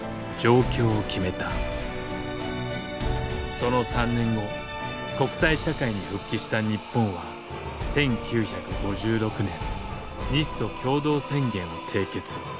その３年後国際社会に復帰した日本は１９５６年日ソ共同宣言を締結。